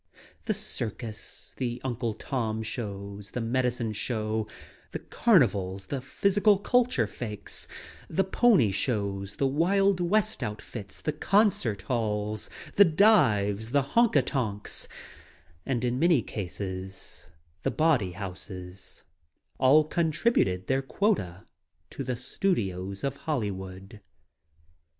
The circus, the Uncle Tom show, the medicine show, the carnivals, the physical culture fakes, the pony shows, the wild west outfits, the concert halls, the dives, the honk a tonks — and in many cases — the bawdy houses — all contributed their quota to the studios of Hollywood.